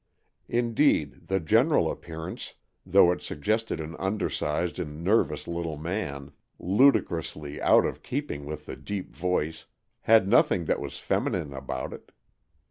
Indeed, the general appear ance, though it suggested an undersized and nervous little man, ludicrously out of keep ing with the deep voice, had nothing that was feminine about it.